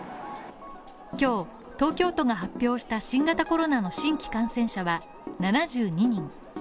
今日東京都が発表した新型コロナの新規感染者は７２人